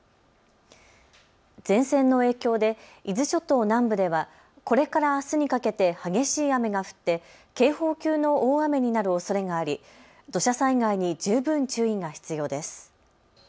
前線の影響で伊豆諸島南部ではこれからあすにかけて激しい雨が降って警報級の大雨になるおそれがあり土砂災害に十分注意が必要です。